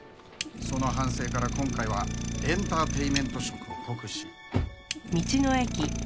その反省から今回はエンターテインメント色を濃くし。